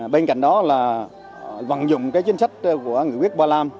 bên cạnh đó là vận dụng chính sách của người quyết ba lam